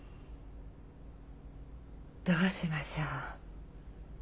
どうしましょう。